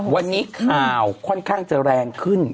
วันนี้ข่าวค่อนข้างจะแรงขึ้น